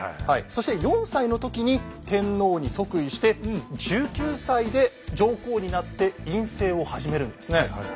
そして４歳の時に天皇に即位して１９歳で上皇になって院政を始めるんですね。